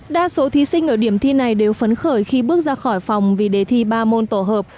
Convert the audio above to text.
đa số thí sinh ở điểm thi này đều phấn khởi khi bước ra khỏi phòng vì đề thi ba môn tổ hợp